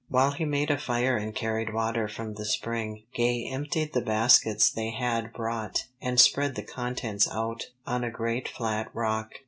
While he made a fire and carried water from the spring, Gay emptied the baskets they had brought, and spread the contents out on a great flat rock.